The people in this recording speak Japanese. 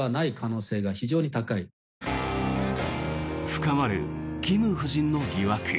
深まるキム夫人の疑惑。